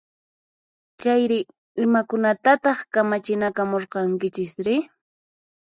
Chayri, imakunatataq kamachinakamurqankichisri?